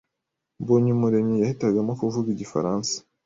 Mbonyumuremyi yahitamo kuvuga igifaransa.